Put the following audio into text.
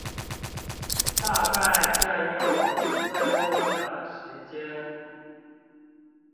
大概占用五分鐘的時間